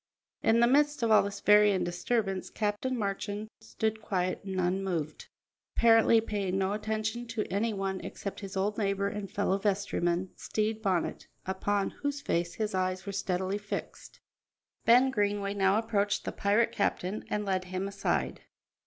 In the midst of all this varying disturbance Captain Marchand stood quiet and unmoved, apparently paying no attention to any one except his old neighbour and fellow vestryman, Stede Bonnet, upon whose face his eyes were steadily fixed. Ben Greenway now approached the pirate captain and led him aside.